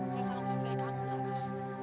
saya salah mencintai kamu laras